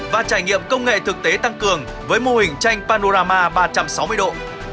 và trải nghiệm công nghệ thực tế tăng cường với mô hình tranh panorama ba trăm sáu mươi độ